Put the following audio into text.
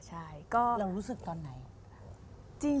แล้วรู้สึกตอนไหน